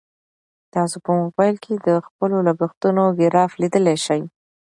تاسو په موبایل کې د خپلو لګښتونو ګراف لیدلی شئ.